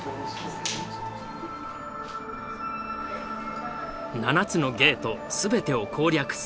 ７つのゲート全てを攻略する。